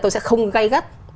tôi sẽ không gay gắt